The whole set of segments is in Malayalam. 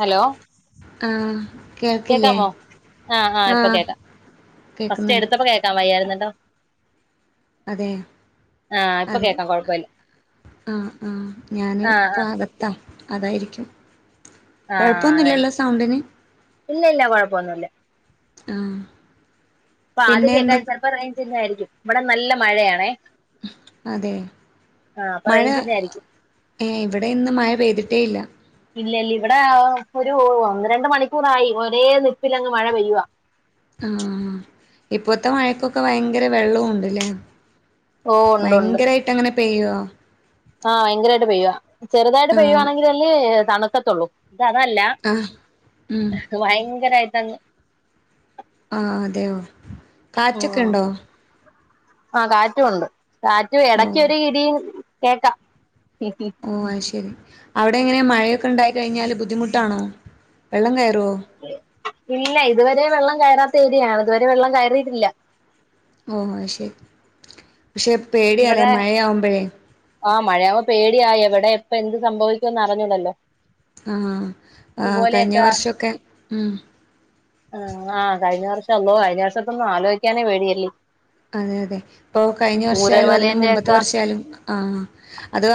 ഹലോ ആഹ് കേൾക്കില്ലേ കേക്കാമോ ആഹ് ആഹ് ഇപ്പൊ കേക്കാം. ഫസ്റ്റ് കേക്കുന്നുണ്ട് എടുത്തപ്പോ കേൾക്കാൻ വയ്യായിരുന്നുട്ടോ. അതെ അത് കൊഴപ്പമില്ല ആ ആഹ് ഞാന് ആഹ് ഇപ്പെ ആഹ് അക ത്താ അതായിരിക്കും. ആഹ് കൊഴപ്പൊന്നുല്ലല്ലോ അതായിരിക്കും സൗണ്ടിന് ഇല്ല ഇല്ല കൊഴപ്പൊന്നുല്ല. ആഹ് അപ്പൊ അത് പിന്നെ എന്ത കേൾക്കാൻ ചെലപ്പോ റേയ്ജ് ഇല്ലായിരിക്കും ഇവിടെ നല്ല മഴയാണേ. അതെ ആഹ് അപ്പൊ മഴ റേഞ്ചിന്റെ ആയിരിക്കും ഏഹ് ഇവിടെ ഇന്ന് മഴ പെയ്തിട്ടേ ഇല്ല ഇല്ലല്ല ഇവിടെ ഒരു ഒന്ന് രണ്ട് മണിക്കൂറായി ഒരേ നിപ്പിലങ്ങ് മഴ പെയ്യുവാ. ആഹ് ഇപ്പോത്തെ മഴക്കൊക്കെ ഭയങ്കര വെള്ളവും ഉണ്ട്ല്ലേ ഓഹ് ഉണ്ട് ഉണ്ട് ഭയങ്കരായിട്ട് അങ്ങനെ പെയ്യുവോ ആഹ് ഭയങ്കരമായിട്ട് പെയ്യാ ചെറുതായിട്ട് ആഹ് പെയ്യുവാണെങ്കിൽ അല്ലേ തണുക്കത്തുള്ളൂ ഇത് അതല്ല ആഹ് ഉം ഭയങ്കരയിട്ടങ്ങ് ആ അതെയോ കാറ്റെക്കെ ഇണ്ടോ ആ കാറ്റു ഉണ്ട് കാറ്റു ഓഹ് എടക്കാര് ഇടീം കേക്കാ ഓ അയ് ശരി അവിടെ എങ്ങനെ മഴയൊക്കെ ഉണ്ടായി കഴിഞ്ഞാൽ ബുദ്ധിമുട്ടാണോ വെള്ളം കയറേ ഇല്ല ഇതുവരെ വെള്ളം കയറാത്ത ഏരിയാണ് ഇതുവരെ വെള്ളം കയറിയിട്ടില്ല ഓഹ് അയ് ശരി പക്ഷേ പേടി ആലെ ഇവിടെ മഴയാകുമ്പളെയ് ആ മഴയാവുബോ പേടിയായി എവിടെ എപ്പൊ എന്ത് സംഭവിക്കുവന്ന് അറിഞ്ഞൂടല്ലോ ആഹ് ആ കഴിഞ്ഞ ഇതുപോലെയൊക്കെ വർഷക്കെ ഉം ആഹ് ആഹ് കഴിഞ്ഞ വർഷം അള്ളോ കഴിഞ്ഞ വർഷത്തൊന്നും ആലോചിക്കാനേ പേടിയല്ലേ അതെ അതെ ഇപ്പോൾ കഴിഞ്ഞ വർഷാലും അതിന്റെ ചൂരൽമലേന്റെ മുമ്പത്തെ ഒക്കെ വർഷാലും ആ അത്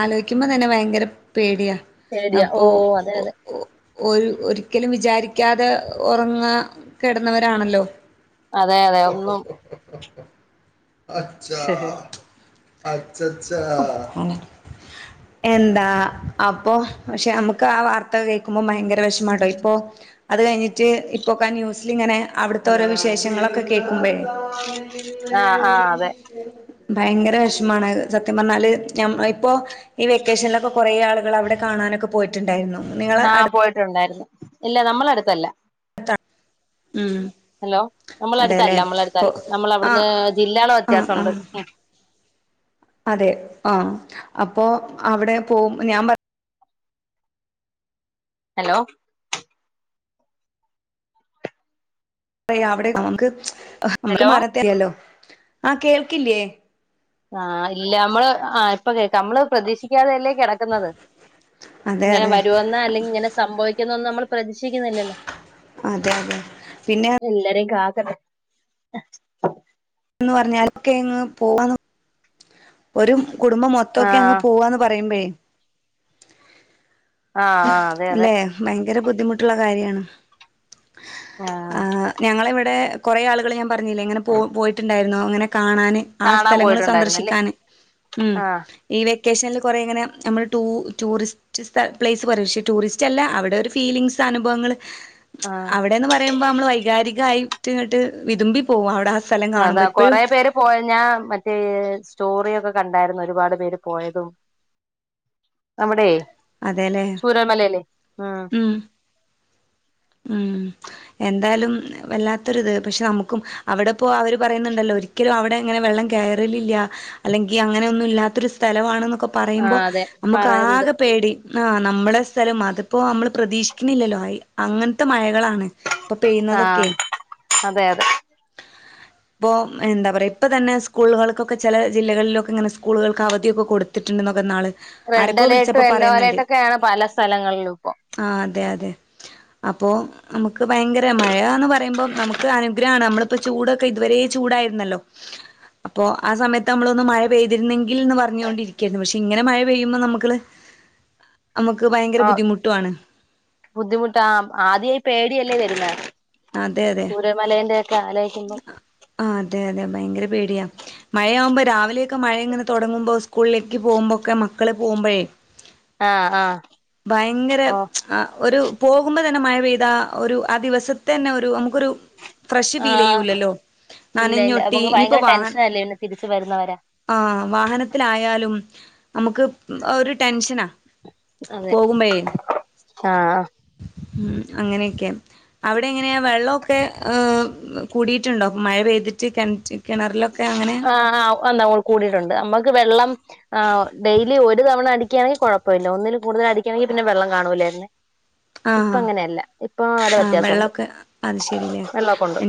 ആലോചിക്കാ ജിക്കുമ്പോ തന്നെ ഭയങ്കര പേടിയാ പേടിയാ ഓ അപ്പോ. അതെ ഓഹ് അതെ ഓഹ് ഒരു ഒരിക്കലും വിചാരിക്കാതെ ഉറങ്ങാൻ കിടന്നവരാണല്ലോ അതെ അതെ ഒന്നും അച്ചാ അച്ചച്ചാ എന്താ അപ്പൊ പക്ഷെ നമുക്ക് ആ വാർത്ത കേൾക്കുമ്പോ ഭയങ്കര വിഷമാട്ടോ ഇപ്പൊ അത് കഴിഞ്ഞിട്ട് ഇപ്പോക്കെ ആ ന്യൂസിലിങ്ങനെ അവിടുത്തെ ഓരോ വിശേഷങ്ങളൊക്കെ കേൾക്കുമ്പോ ആഹ് ഭയങ്കര വിഷമാണ് അത് സത്യം പറഞ്ഞാല് ഞ ഇപ്പോ ഈ വെക്കേഷനിലൊക്കെ കൊറേ ആളുകൾ അവിടെ കാണാനൊക്കെ പോയി ട്ടുണ്ടായിരുന്നു നിങ്ങള് ആഹ് അടു പോയിട്ടുണ്ടായിരുന്നു ഇല്ല നമ്മള അടുത്തല്ല [unintelligible] ഉം ഹലോ നമ്മള അടുത്തല്ല അതെല്ലേ നമ്മള അപ്പൊ അടുത്തല്ല നമ്മള ആ അവിടുന്ന് ജില്ലകളെ ആ ആ വ്യത്യാസണ്ട് ഉം അതെ ആഹ് അപ്പോ അവിടെ പോ ഞാൻ പറ ഹലോ പറയാ അവിടെ നമുക്ക് ഹലോ മരത്തെ ആഹ് കേൾക്കില്ലേ ആഹ് ഇല്ല നമ്മള് ആഹ് ഇപ്പൊ കേക്കാം നമ്മള് പ്രതീക്ഷിക്കാതെല്ലേ കിട ക്കുന്നത് അതെ ഇങ്ങനെ അതെ വരുമെന്നോ അല്ലെങ്കിൽ ഇങ്ങനെ സംഭവിക്കുന്നന്നും നമ്മൾ പ്രതീക്ഷിക്കുന്നില്ലല്ലോ അതെ അതെ പിന്നെ എല്ലരെയും കാക്കട്ടെ എന്ന് പറഞ്ഞാലൊക്കെ എങ്ങ് പോവാ നോ ഒരു കുടുംബം മൊത്തൊക്കെ അങ്ങ് ആഹ് പോവാന്ന് പറയുമ്പയേയ് ആഹ് ആഹ് അതെ അതെ അല്ലെ ഭയങ്കര ബുദ്ധിമുട്ടുള്ള കാര്യാണ് ആഹ് ഞങ്ങളിവിടെ കൊറേ ആളുകൾ ഞാൻ പറഞ്ഞില്ലേ ഇങ്ങനെ പോവാന് പോയിട്ടുണ്ടായിരുന്നു അങ്ങനെ കാണാൻ ആ കാണാൻ സ്ഥലങ്ങൾ പോയിട്ടുണ്ടായിരുന്നല്ലേ സന്ദർശിക്കാൻ ഉം ആഹ് ഈ വെക്കേഷനിൽ കൊറെ ഇങ്ങനെ നമ്മൾ ടൂ ടൂറിസ്റ്റ് സ്ഥ പ്ലേസ് പോലെ പക്ഷേ ടൂറിസ്റ്റ് റ്റല്ല അവിടെ ഒരു ഫീലിംങ്ങ്സ് അനുഭവങ്ങള് ആഹ് അവിടെന്ന് പറയുമ്പോ നമ്മള് വൈകാരികായിട്ട് ഇങ്ങട്ട് വിതുമ്പി പോവും അവിടെ ആ സ്ഥല ആഹ് അതാ കൊറേ പേര് പോയ ഞാൻ മറ്റേ സ്റ്റോറി ഒക്കെ കണ്ടായിരുന്നു ഒരുപാട് പേര് പോയതും അവിടെയ് അതെല്ലേ ചൂരൽമലയിലെ ഉം ഉം എന്തായാലും വല്ലാത്തൊരിത് പക്ഷെ നമുക്കും അവിടെ പോ അവര് പറയുന്നുണ്ടല്ലോ ഒരിക്കലും അവിടങ്ങനെ വെള്ളം കേറലില്ല അല്ലെങ്കിൽ അങ്ങനൊന്നും ഇല്ലാത്തൊരു സ്ഥലവാണെന്നും പറയുമ്പോ ആഹ് അതെ നമുക്ക് പറയണ്ട് ആകെ പേടി ആഹ് നമ്മളെ സ്ഥലം അതിപ്പോ നമ്മള് പ്രതീക്ഷിക്കുന്നില്ലല്ലോ ആയി അങ്ങനത്തെ മഴകളാണ് ഇപ്പൊ ആഹ് പെയ്യുന്നതൊക്കെയ് അതെ അതെ ഇപ്പോ എന്താ പറയാ ഇപ്പ തന്നെ സ്കൂളുകൾക്കൊക്കെ ചെല ജില്ലകളിലൊക്കെ ഇങ്ങനെ സ്കൂളുകൾക്ക് അവധിയൊക്കെ കൊടു ത്തിട്ടുണ്ടെന്നൊക്കെ ഇന്നാള് റെഡ് ആരൊക്കോ അലേർട്ടും വിളിച്ചപ്പോ യെല്ലോ പറയുന്നുണ്ട്. അലേർട്ടും ഒക്കെയാണ് പല സ്ഥലങ്ങളിലും ഇപ്പൊ ആഹ് അതെ അതെ അപ്പോ നമുക്ക് ഭയങ്കര മഴാന്ന് പറയുമ്പം നമുക്ക് അനുഗ്രഹാണ് നമ്മളിപ്പോ ചൂടൊക്കെ ഇതുവരെ ചൂടായിരുന്നല്ലോ അപ്പൊ ആ സമയത്ത് നമ്മളൊന്ന് മഴ പെയ്തിരുന്നെങ്കിൽ എന്ന് പറഞ്ഞോണ്ടിരിക്കായിരുന്നു പക്ഷെ ഇങ്ങനെ മഴ പെയ്യുമ്പോ നമ്മള് നമുക്ക് ഭയങ്കര ആഹ് ബുദ്ധിമുട്ടും ആണ് ബുദ്ധിമുട്ടാ ആദ്യ ഈ പേടിയല്ലേ വരുന്നേ അതെ അതെ ചൂരൽമലന്റെ ഒക്കെ ആലോയ്ക്കുമ്പം അതെ അതെ ഭയങ്കര പേടിയാ മഴയാവുമ്പോ രാവിലെയൊക്കെ മഴ ഇങ്ങനെ തൊടങ്ങുമ്പോ സ്കൂളിലേക്ക് പോകുമ്പോക്കെ മക്കൾ പോകുമ്പഴേ ആഹ് ആഹ് ഭയങ്കര ഓഹ് ആ ഒരു പോകുമ്പോ തന്നെ മഴ പെയ്താ ഒരു ആ ദിവസത്തെന്നെ ഒരു നമുക്കൊരു ഫ്രഷ് ഫീൽ ആഹ് ചെയ്യൂലല്ലോ ഇല്ല ഇല്ല നനഞ്ഞൊട്ടി നമുക്ക് ഇനിപ്പൊ ഭയങ്കര വാഹൻ, ടെൻഷനല്ലേ പിന്നെ തിരിച്ച് വരുന്നവരെ ആഹ് വാഹനത്തിലായാലും നമുക്ക് ഒരു ടെൻഷനാ. അതെ പോകുമ്പഴേ ആഹ് ഉം അങ്ങനെയൊക്കെ. അവിടെ എങ്ങനെയാ വെള്ള ഒക്കെ കൂടിയിട്ടുണ്ടോ മഴ പെയ്തിട്ട് കെൻ്റ്റ് ആഹ് ആഹ് എന്താ ഓഹ് കൂടിയിട്ടുണ്ട് നമ്മക്ക് വെള്ളം ആഹ് ഡെയിലി ഒരു തവണ അടിക്ക്യാണെങ്കി കുഴപ്പ ഇല്ല. ഒന്നിൽ കൂടുതൽ അടിക്കാണെങ്കിൽ പിന്നെ വെള്ളം കാണൂല്ലായിര്ന്ന്. ആ ഇപ്പ അങ്ങനെയല്ല ഇപ്പൊ നല്ല ആ വ്യത്യാസം ഉണ്ട് വെള്ളമൊക്കെ വെള്ളമൊക്കെ ഉണ്ട്.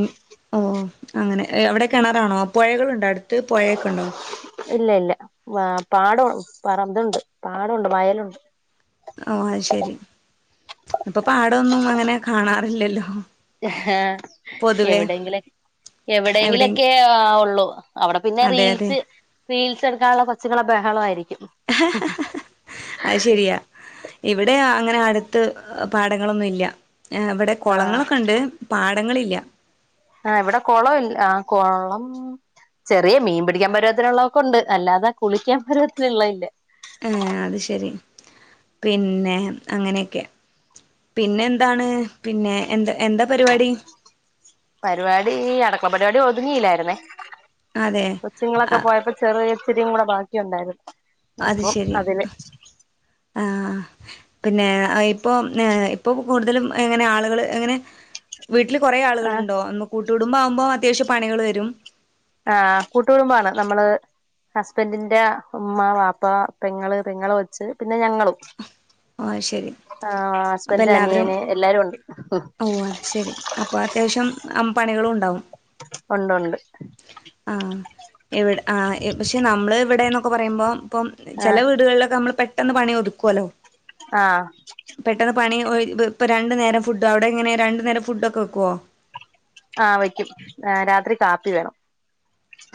ഓഹ് അങ്ങനെ. എഅവിടെ കിണറാണോ പൊഴകളുണ്ടോ അടുത്ത്, പൊഴൊക്കെണ്ടോ? ഇല്ല ഇല്ല വാ പാടവാണ് പറ ഇതുണ്ട് പാടുണ്ട് വയലുണ്ട്. ഓഹ് അത് ശെരി. ഇപ്പൊ പാട ഒന്നും അങ്ങനെ കാണാറില്ലല്ലോ. എഹ്ആഹ് പൊതുവേ എവിടെയെങ്കില് എവിടെയും എവിടെയെങ്കിലൊക്കെ ഉള്ളൂ. അവിടെ പിന്നെ അതെ അതെ റീൽസ് റീൽച്ചെടുക്കാനുള്ള കൊച്ചുങ്ങളെ ബഹളമായിയിരിക്കും. അഹ് ശരിയാ. ഇവിടെ അങ്ങനെ അടുത്ത് പാടങ്ങളൊന്നു ഇല്ല്യ. ഏഹ് ഇവടെ ആഹ് കൊളങ്ങളൊക്കെണ്ട്. പാടങ്ങളില്ല്യ. ആഹ് ഇവിടെ കൊളവിൽ, ആഹ് കൊളം ചെറിയ മീൻ പിടിക്കാൻ പരുവത്തിലുള്ള ഒക്ക ഉണ്ട്. അല്ലാതെ കുളിക്ക്യാൻ പരുവത്തിലുള്ളത് ഇല്ല. ഏഹ് അത് ശരി. പിന്നെ, അങ്ങനെയൊക്കെ. പിന്നെന്താണ്? പിന്നെ, എന്താ എന്താ പരിവാടി? പരിവാടീ അട്ക്കള പരിവാടി ഒതുങ്ങിയില്ലായിരുന്നേ. അതെ കൊച്ചുങ്ങളൊക്കെ അ പോയപ്പ ചെറിയ ഇച്ചിരിയും കൂടെ ബാക്കിയുണ്ടായിരുന്നു. അത് അപ്പം ശരി അതില്. ആഹ് പിന്നെ ഇപ്പോം ഏഹ് ഇപ്പപ്പ കൂടുതലും ഇങ്ങനെ ആളുകൾ ങ്ങനെ വീട്ടിൽ കൊറെ ആഹ് ആളുകളുണ്ടോ? നമ്മ കൂട്ടുകുടുംമ്പാവുമ്പോ അത്യാവശ്യം പണികൾ വരും. ആഹ് കൂട്ടുകുടുംബാണ് നമ്മള്. ഹസ്ബൻഡിന്റെ ഉമ്മ, വാപ്പ, പെങ്ങള്, പെങ്ങളെ കൊച്ച് പിന്നെ ഞങ്ങളും. ആഹ് ശരി ആഹ് അപ്പൊ ഹസ്ബന്റിൻ്റെ അനിയന് എല്ലാരും ഉണ്ട്. ഒഹ് അത് ശരി. അപ്പോ അത്യാവശ്യം അം പണികളൂണ്ടാവും. ഒണ്ടുണ്ട്. ആഹ്. ഇവിട് ആഹ് പക്ഷേ നമ്മൾ ഇവടേന്നൊക്കെ പറയുമ്പം, ഇപ്പം ചെല ആഹ് വീടുകളിലൊക്കെ നമ്മൾ പെട്ടെന്ന് പണി ഒതുക്കോല്ലോ. ആഹ് പെട്ടെന്ന് പണി ഒ വ് ഇപ്പം രണ്ടു നേരം ഫുഡ്, അവിടെ എങ്ങനെയാ രണ്ടു നേരം ഫുഡ് ഒക്കെ വെക്ക്വോ? ആഹ് വെക്ക്യും. ഏഹ് രാത്രി കാപ്പി വേണം.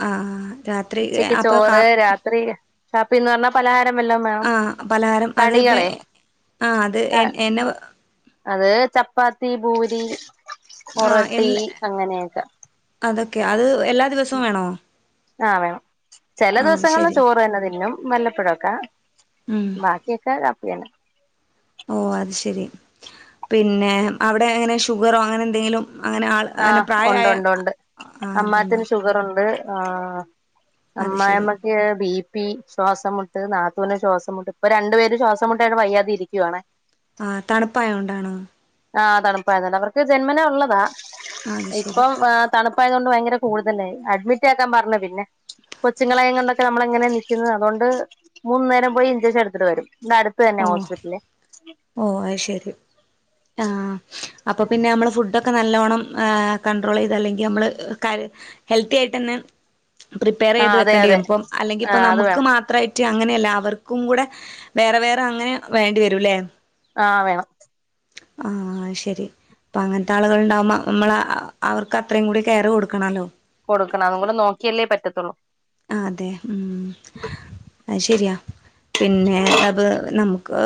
ആഹ് രാത്രി ഉച്ചയ്ക്ക് അപ്പൊ കാ ചോറ് രാത്രി, കാപ്പീന്ന് പറഞ്ഞാ പലഹാരം വെല്ലോം വേണം. ആഹ് പലഹാരം അത് ഇപ്പ തടികളെ ആഹ് അത് എൻ എന്ന അത് ചപ്പാത്തി പൂരി ആഹ് ഒറട്ടി എൻലെ, അങ്ങനെയൊക്കെ അതൊക്കെ അത് എല്ലാ ദിവസവും വേണോ ആഹ് വേണം. ചെല ആഹ് അത് ദിവസങ്ങളില് ശരി ചോറ് തന്നെ തിന്നും. വല്ലപ്പൊഴൊക്കെ, ഉം ബാക്കിയൊക്കെ കാപ്പിയാണ്. ഓഹ് അത് ശരി. പിന്നെ അവിടെ അങ്ങനെ ഷുഗറോ അങ്ങനെ എന്തെങ്കിലും അങ്ങനെ ആൾ അങ്ങനെ ആഹ് പ്രായമായ ഒണ്ടൊണ്ടൊണ്ട് ആഹ് അമ്മാച്ചന് അതുണ്ടാവും ഷുഗറൊണ്ട് ആഹ് അത് ശരി അമ്മായമ്മക്ക് ബീ പീ ശ്വാസംമുട്ട് നാത്തൂന് ശ്വാസംമുട്ട് ഇപ്പ രണ്ടു പേരും ശ്വാസംമുട്ടായിട്ട് വയ്യാതിരിക്കുവാണേ ആഹ് തണുപ്പായോണ്ടാണോ ആഹ് തണുപ്പായതോണ്ട് അവർക്ക് ജന്മനാ ഉള്ളതാ ആ അത് ശരി ഇപ്പം [unintelligible] തണുപ്പായതുകൊണ്ട് ഭയങ്കര കൂടുതലായി അഡ്മിറ്റ് ആക്കാൻ പറഞ്ഞ് പിന്നെ കൊച്ചുങ്ങളേയും കൊണ്ടൊക്കെ നമ്മളെങ്ങനെയാ നിക്കുന്നത് അതുകൊണ്ട് മൂന്നു നേരം പോയി ഇഞ്ചക്ഷനെടുത്തിട്ട് വരും ഇവ്ടടു ത്തന്നെയാ ഓഹ് ഹോസ്പിറ്റല് ഓ അയ് ശരി ആഹ് അപ്പൊ പിന്നെ അമ്മള് ഫുഡൊക്കെ നല്ലോണം കണ്ട്രോൾ ചെയ്ത് അല്ലെങ്കി അമ്മള് ക ഹെൽത്തി ആയിട്ടന്നെ പ്രിപ്പയർ ആഹ് ചെയ്ത് അതെ അതെ വെക്കേണ്ടിവരും അപ്പം അല്ലെങ്കി ഇപ്പ ആഹ് അത് നമുക്ക് വേണം മാത്രായി റ്റ് അങ്ങനെയല്ല അവർക്കും കൂടെ വേറെ വേറെ അങ്ങനെ വേണ്ടി വരൂല്ലേ ആഹ് വേണം ആഹ് ശരി അപ്പ അങ്ങനത്താളുകൾണ്ടാവുമ്പ അമ്മള് അവർക്ക് അത്രയും കൂടി കെയർ കൊടുക്കണല്ലോ കൊടുക്കണം അതുംകൂടെ നോക്കിയല്ലേ പറ്റത്തുള്ളൂ ആഹ് അതെ ഉം അത് ശരിയാ പിന്നെ നമുക്ക്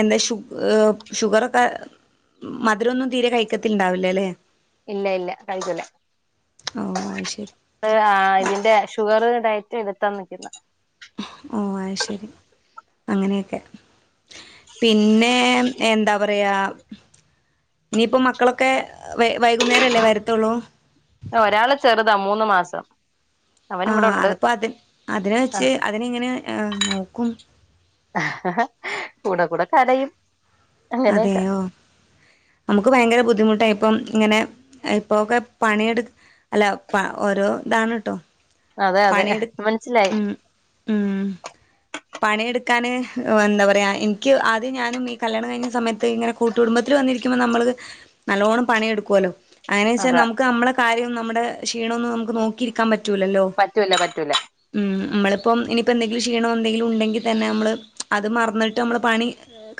എന്താ ഷ് ഷുഗറൊക്കെ മധുരൊന്നും തീരെ കയിക്കത്തിണ്ടാവില്ല അല്ലെ ഇല്ല ഇല്ല കഴിക്കൂല ഓ അത് ശരി ആഹ് ഇതിന്റെ ഷുഗറ് ഡയറ്റും എടുത്താ നിക്കുന്നെ ഓഹ് അയ് ശരി അങ്ങനെയൊക്കെ പിന്നെ എന്താ പറയാ ഇനിയിപ്പോ മക്കളൊക്കെ വൈകുന്നേരല്ലേ വരത്തുള്ളൂ ഒരാള് ചെറുതാ മൂന്ന് മാസം അവൻ ആഹ് ഇവിടുണ്ട് അതിപ്പോ അതി അതിനെ വെച്ച് അതിനെയെങ്ങനെ നോക്കും കൂടെ കൂടെ കരയും അങ്ങനെയൊക്കെ അതെയോ നമുക്ക് ഭയങ്കര ബുദ്ധിമുട്ടായിപ്പം ഇങ്ങനെ ഇപ്പോക്കെ പണിയെടു അല്ല പ ഓരോ ഇതാണ് ട്ടോ അതെ അതെ പണിയെടു മനസ്സിലായി ഉം പണിയെടുക്കാൻ എന്താ പറയാ എനിക്ക് ആദ്യം ഞാനും ഈ കല്യാണം കഴിഞ്ഞ സമയത്ത് ഇങ്ങനെ കുട് ട്ടുകുടുംബത്തില് വന്നിരിക്കുമ്പോ നമ്മള് നല്ലോണം പണിയെടുക്കുവല്ലോ അങ്ങനെ വെച്ചാ അതാ നമുക്ക് നമ്മളെ കാര്യം നമ്മുടെ ക്ഷീണം ഒന്നും നമുക്ക് നോക്കിയിരിക്കാൻ പറ്റൂലല്ലോ പറ്റൂല പറ്റൂല ഉം നമ്മളിപ്പം ഇനിയിപ്പോ എന്തെങ്കിലും ക്ഷീണം എന്തെങ്കിലും ഉണ്ടെങ്കി തന്നെ നമ്മള് അത് മറന്നിട്ട് മ്മള് പണി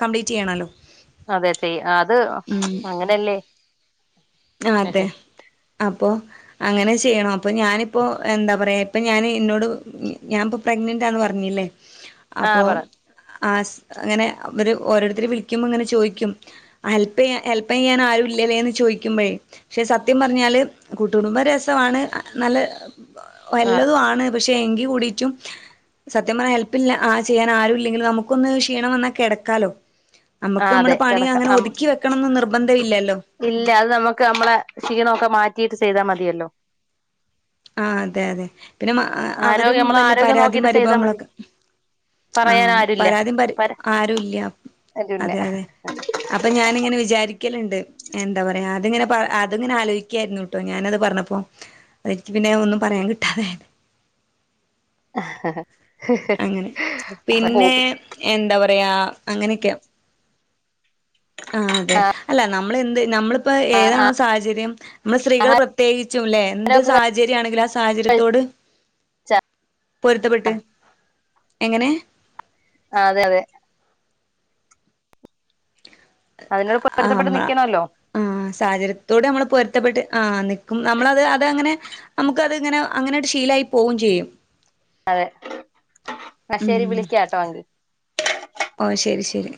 കംപ്ലീറ്റെയ്യണല്ലോ? അതെ ചെയ്യും അത് അങ്ങനല്ലേ അപ്പോ അങ്ങനെ ചെയ്യണം അപ്പോ ഞാനിപ്പോ എന്താ പറയാ ഇപ്പൊ ഞാന് ഇന്നൊട് ഞാൻപ്പോ പ്രഗ്നന്റാന്ന് പറഞ്ഞില്ലേ ആഹ് അപ്പൊ പറ ആശ് അങ്ങനെ അവര് ഓരോരുത്തര് വിളിക്കുമ്പോ ങ്ങനെ ചോദിക്കും. ഹെല്പെയ്യാ ഹെല്പെയ്യാൻ ആരൂല്ലേലേന്ന് ചോയ്ക്കുമ്പോഴേ പക്ഷെ സത്യം പറഞ്ഞാല് കൂട്ടുകുടുംബം രസവാണ് നല്ല [unintelligible] ആഹ് വല്ലതും ആണ് പക്ഷെ എങ്കി കൂടിട്ടും സത്യം പറഞ്ഞാ ഹെൽപ്പില്ല ആ ചെയ്യാൻ ആരും ഇല്ലെങ്കി നമു ക്കൊന്ന് ക്ഷീണം വന്നാ കെടക്കാലോ നമുക്ക് ആഹ് അമ്മുടെ അതെ പണി അങ്ങനെ കിടക്കാം ഒതുക്കി വെക്കണംന്ന് നിർബന്ധം ഇല്ലല്ലോ? ഇല്ല അത് നമുക്ക് നമ്മളെ ക്ഷീണംക്കെ മാറ്റീട്ട് ചെയ്താ മതിയല്ലോ? ആഹ് അതെ അതെ പിന്നെ അവരും ആരോഗ്യം നമ്മളെ വല്ല ആരോഗ്യം പരാതീം നോക്കിട്ട് ചെയ്താൽ മതി പരിഭവങ്ങളൊക്കെ പറയാൻ ആഹ് ആരുല്ല പരാതിയും പ പര ആരും ഇല്ല അതെ അതെ അപ്പൊ ഞാനിങ്ങനെ വിചാരിക്കലുണ്ട് എന്താ പറയാ അതിങ്ങനെ അതങ്ങനെ ആലോയ്ക്കായിരുന്നു ട്ടോ ഞാനത് പറഞ്ഞപ്പോ അതെനിക്ക് പിന്നെ ഒന്നും പറയാൻ കിട്ടാതെ അങ്ങനെ പിന്നെ [unintelligible] എന്താ പറയാ അങ്ങനെക്കയാ ആഹ് അതെ അല്ല നമ്മളെന്ത് നമ്മൾ ഇപ്പൊ ഏതാണോ സാഹചര്യം നമ്മൾ സ്ത്രീകൾ പ്രത്യേകിച്ചും ല്ലേ എന്ത് സാഹച ചര്യാണെങ്കിലും ആ സാഹചര്യത്തോട് പൊരുത്തപ്പെട്ട് എങ്ങനെ ആഹ് അതെ അതെ അതിനോട് പൊരുത്തപ്പെട്ട് ആഹ് നിക്കണല്ലോ ആഹ് സാഹചര്യത്തോടെ നമ്മൾ പൊരുത്തപ്പെട്ട് ആഹ് നിക്കും നമ്മളത് അത് അങ്ങനെ നമുക്ക അത്ങ്ങനെ അങ്ങനെട്ട് ഷീലായി പോകയും ചെയ്യും. അതെ ന്ന ശരി വിളിക്കാട്ടോങ്കി. ഓഹ് ശരി ശരി